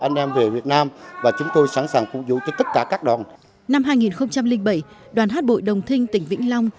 năm hai nghìn bảy đoàn hát bội đồng thinh tỉnh vĩnh long